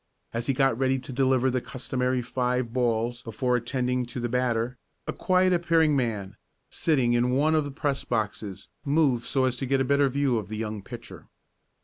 As he got ready to deliver the customary five balls before attending to the batter a quiet appearing man, sitting in one of the press boxes, moved so as to get a better view of the young pitcher.